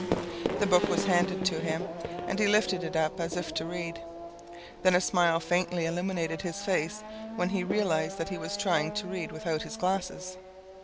The book was handed to him, and he lifted it up as if to read. Then a smile faintly illuminated his face when he realized that he was trying to read without his glasses.